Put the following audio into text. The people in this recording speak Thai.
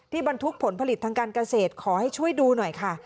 บรรทุกผลผลิตทางการเกษตรขอให้ช่วยดูหน่อยค่ะ